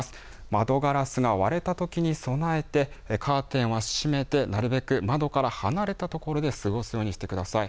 窓ガラスが割れたときに備えてカーテンは閉めて、なるべく窓から離れたところで過ごすようにしてください。